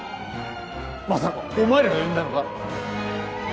まさかお前らが呼んだのか？